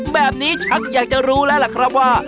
ชักอยากจะรู้แล้วล่ะครับว่า